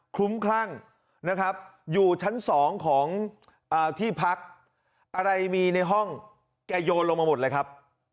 ลุ้มคลั่งนะครับอยู่ชั้น๒ของที่พักอะไรมีในห้องแกโยนลงมาหมดเลยครับ